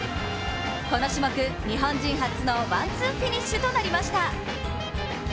この種目、日本人初のワンツーフィニッシュとなりました。